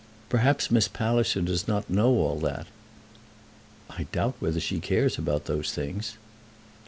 Perhaps Miss Palliser does not know all that." "I doubt whether she cares about those things."